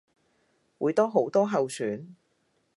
會多好多候選